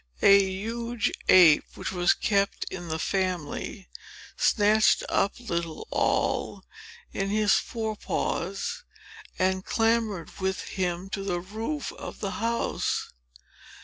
A huge ape which was kept in the family, snatched up little Noll in his forepaws and clambered with him to the roof of the house.